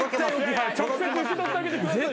直接受け取ってあげてくださいよ。